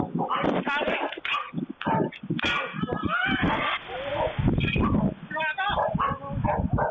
พวกมันมาเจอกัน